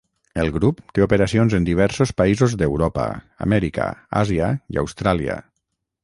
El grup té operacions en diversos països d'Europa, Amèrica, Àsia i Austràlia.